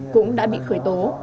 cũng đã bị khởi tố